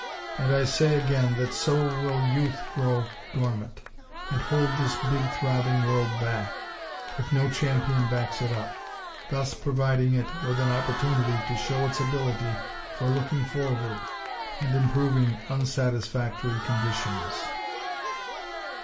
And I say, again, that so will Youth grow dormant, and hold this big, throbbing world back, if no champion backs it up; thus providing it with an opportunity to show its ability for looking forward, and improving unsatisfactory conditions.